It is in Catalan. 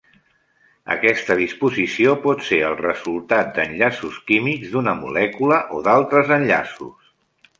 Aquesta disposició pot ser el resultat d'enllaços químics d'una molècula o d'altres enllaços.